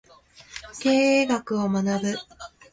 経営学を学ぶ